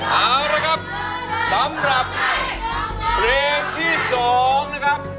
เอาละครับสำหรับเพลงที่๒นะครับ